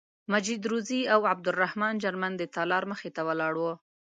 مجید روزي او عبدالرحمن جرمن د تالار مخې ته ولاړ وو.